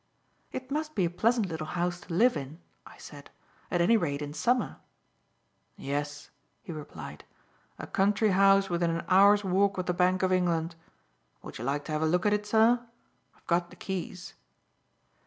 "It must be a pleasant little house to live in," I said, "at any rate, in summer." "Yes," he replied, "a country house within an hour's walk of the Bank of England. Would you like to have a look at it, sir? I've got the keys."